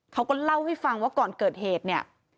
เขาก็เล่าให้ฟังว่าก่อนเกิดเหตุเนี่ย